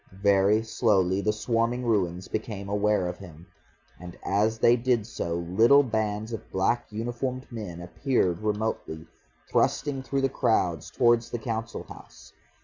Very slowly the swarming ruins became aware of him. And as they did so little bands of black uniformed men appeared remotely, thrusting through the crowds towards the Council House.